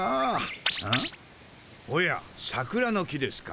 んおやサクラの木ですか？